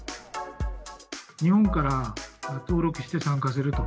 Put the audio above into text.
日本から登録して参加すると。